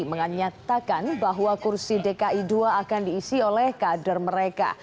menyatakan bahwa kursi dki ii akan diisi oleh kader mereka